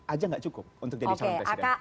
aja gak cukup untuk jadi calon presiden